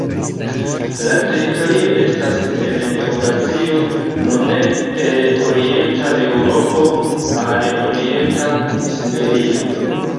La teritorio estas en Eŭrazio nome el orienta Eŭropo al orienta Siberio.